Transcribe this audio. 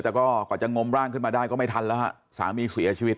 แต่ก็กว่าจะงมร่างขึ้นมาได้ก็ไม่ทันแล้วฮะสามีเสียชีวิต